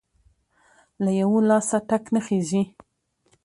له يوه لاسه ټک نه خیژي!.